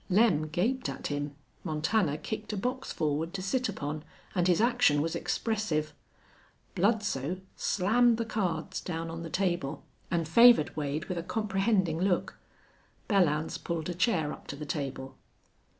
Lem gaped at him; Montana kicked a box forward to sit upon, and his action was expressive; Bludsoe slammed the cards down on the table and favored Wade with a comprehending look. Belllounds pulled a chair up to the table.